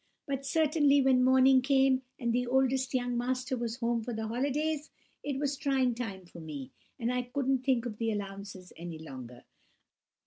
But certainly, when morning came, and the oldest young master was home for the holidays, it was a trying time for me, and I couldn't think of the allowances any longer.